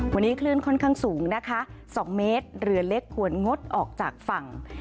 วันนี้คลื่นค่อนข้างสูงนะคะ๒เมตรเรือเล็กควรงดออกจากฝั่ง